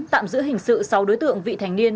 tạm giữ hình sự sáu đối tượng vị thành niên